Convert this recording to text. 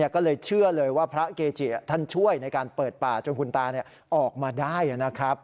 ก็เลยเชื่อเลยว่าพระเกจิท่านช่วยในการเปิดป่าจนคุณตาออกมาได้นะครับ